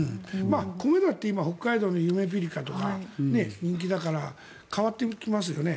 米だって今、北海道のゆめぴりかとか人気だから変わっていきますよね。